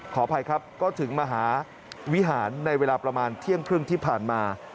ขออภัยครับก็ถึงมหาวิหารในเวลาประมาณเที่ยงครึ่งที่ผ่านมา